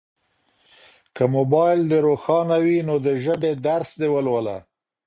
که موبایل دي روښانه وي نو د ژبې درس دي ولوله.